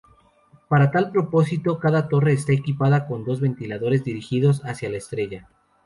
Para tal propósito, cada torre está equipada con dos ventiladores dirigidos hacia la estrella.